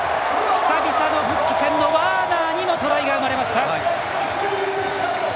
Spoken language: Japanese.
久々の復帰戦、ワーナーにもトライが生まれました！